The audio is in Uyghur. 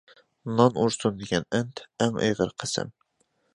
«نان ئۇرسۇن» دېگەن ئەنت ئەڭ ئېغىر قەسەم!